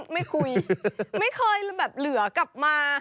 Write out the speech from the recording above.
ไม่คุยไม่เคยแบบเหลือกลับมา